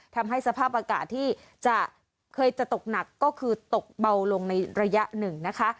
ทำให้สภาพอากาศที่จะเคยจะตกหนักก็คือตกเบาลงในระยะหนึ่งนะคะ